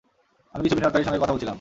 আমি কিছু বিনিয়োগকারীর সঙ্গে কথা বলছিলাম।